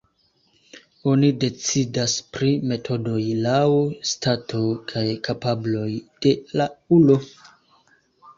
Oni decidas pri metodoj laŭ stato kaj kapabloj de la ulo.